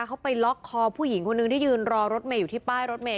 เขาไปล็อกคอผู้หญิงคนนึงที่ยืนรอรถเมย์อยู่ที่ป้ายรถเมย